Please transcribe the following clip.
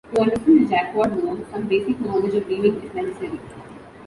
To understand the Jacquard loom, some basic knowledge of weaving is necessary.